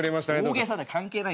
大げさだよ関係ない。